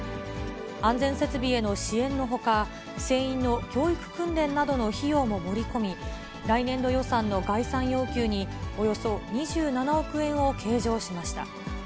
安全設備への支援のほか、船員の教育訓練などの費用も盛り込み、来年度予算の概算要求におよそ２７億円を計上しました。